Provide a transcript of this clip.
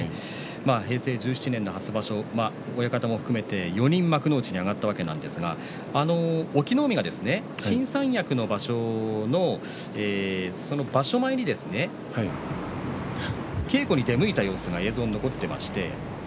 平成１７年の初場所は親方も含めて４人幕内に上がったわけなんですが隠岐の海が新三役の場所のその場所前に稽古に出向いた様子が映像に残っています。